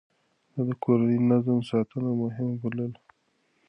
ده د کورني نظم ساتنه مهمه بلله.